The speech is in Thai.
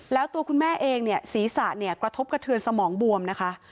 แล้วตัวคุณแม่เองศีรษะกระทบกระเทือนสมองบวมนะคะ